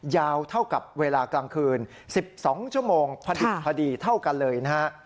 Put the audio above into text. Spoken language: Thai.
ยาวเท่ากับเวลากลางคืน๑๒ชั่วโมงพอดิบพอดีเท่ากันเลยนะฮะ